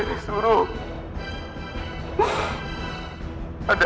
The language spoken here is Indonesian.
karena ini seharusnya urusan saya dengan dia